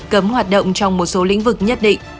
cấm hoạt động trong một số lĩnh vực nhất định